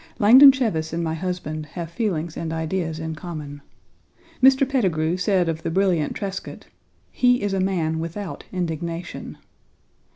Langdon Cheves and my husband have feelings and ideas in common. Mr. Petigru, 3 said of the brilliant Trescott: "He is a man without indignation."